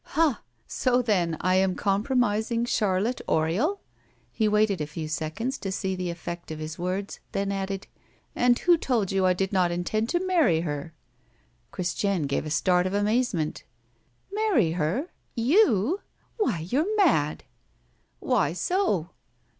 "Ha! so then I am compromising Charlotte Oriol?" He waited a few seconds to see the effect of his words, then added: "And who told you I did not intend to marry her?" Christiane gave a start of amazement. "Marry her? You? Why, you're mad!" "Why so?"